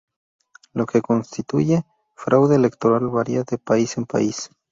Lo que constituye fraude electoral varía de país en país.